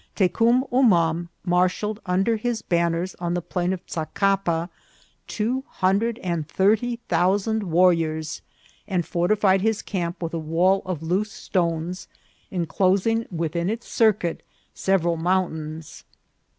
Tecum Umam marshalled under his ban ners on the plain of Tzaccapa two hundred and thirty thousand warriors, and fortified his camp with a wall OVERTHROW OF THE NATIVES. 177 of loose stones, enclosing within its circuit several mountains.